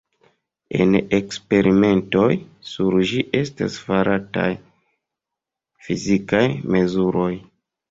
En eksperimentoj sur ĝi estas farataj fizikaj mezuroj.